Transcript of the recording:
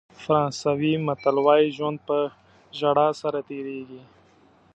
فرانسوي متل وایي ژوند په ژړا سره تېرېږي.